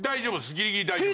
ギリギリ大丈夫です。